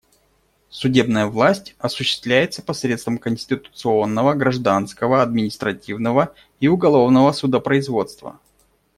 Судебная власть осуществляется посредством конституционного, гражданского, административного и уголовного судопроизводства.